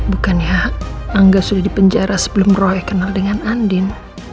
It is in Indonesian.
bukannya angga sudah di penjara sebelum roy kenal dengan andin